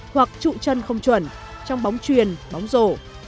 hoặc trụ chân không chuẩn trong bóng truyền bóng rổ